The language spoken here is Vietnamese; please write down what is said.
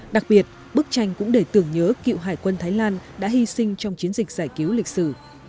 đặc biệt bức tranh cũng để tưởng nhớ cựu hải quân thái lan đã hy sinh trong chiến dịch giải cứu lịch sử